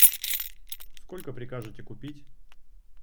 Сколько прикажете купить?